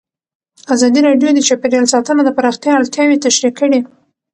ازادي راډیو د چاپیریال ساتنه د پراختیا اړتیاوې تشریح کړي.